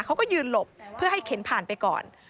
เขาก็ยืนหลบเพื่อให้เข็นผ่านไปก่อน